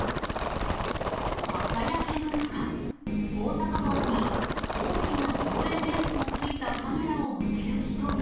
朝焼けの中、大阪湾に大きな望遠レンズのついたカメラを向ける人。